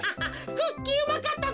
クッキーうまかったぜ。